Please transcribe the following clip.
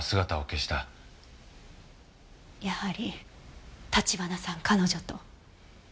やはり橘さん彼女と。